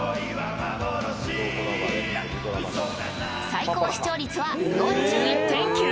最高視聴率は４１．９％。